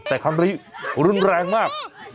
แต่คำนี้รุนแรงมาก